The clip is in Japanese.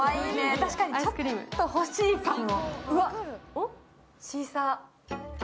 確かにちょっと欲しいかも。